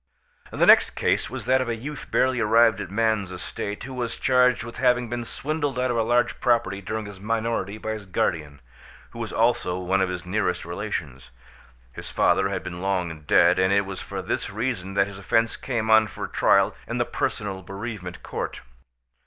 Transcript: The next case was that of a youth barely arrived at man's estate, who was charged with having been swindled out of large property during his minority by his guardian, who was also one of his nearest relations. His father had been long dead, and it was for this reason that his offence came on for trial in the Personal Bereavement Court.